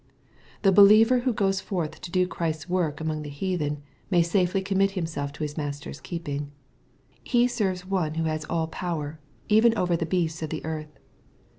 The believer whogoes forth to do Christ's work among the heathen, may safely commit himself to his Master's keeping. He serves one who has all power, even over the beasts of the earth.